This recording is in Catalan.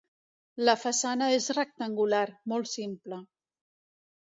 La façana és rectangular, molt simple.